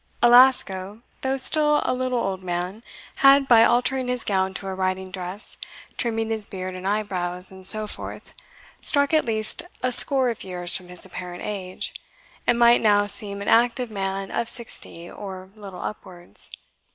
Alasco, though still a little old man, had, by altering his gown to a riding dress, trimming his beard and eyebrows, and so forth, struck at least a score of years from his apparent age, and might now seem an active man of sixty, or little upwards.